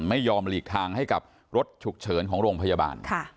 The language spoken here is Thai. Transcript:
ไม่ยอมหลีกทางให้กับรถฉุกเฉินของโรงพยาบาล